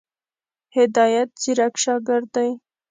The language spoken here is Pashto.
هدایت ځيرک شاګرد دی.